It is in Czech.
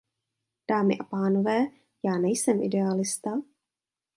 Dámy a pánové, já nejsem idealista.